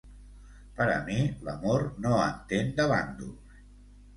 Per a mi, l'amor no entén de bàndols.